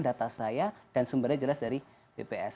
data saya dan sumbernya jelas dari bps